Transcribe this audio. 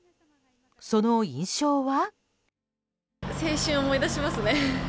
その印象は。